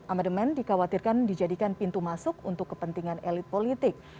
amandemen dikhawatirkan dijadikan pintu masuk untuk kepentingan elit politik